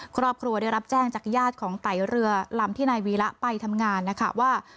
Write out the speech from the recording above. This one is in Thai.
ครอบครัวได้รับแจ้งจากญาติของไตเรือลำที่นายวีระไปทำงานนะคะว่า